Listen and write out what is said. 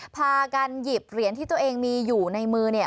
พากันหยิบเหรียญที่ตัวเองมีอยู่ในมือ